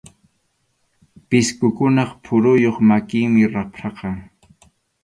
Pisqukunap phuruyuq makinmi rapraqa.